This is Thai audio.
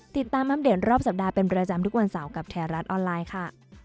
อัปเดตรอบสัปดาห์เป็นประจำทุกวันเสาร์กับแถวรัฐออนไลน์ค่ะ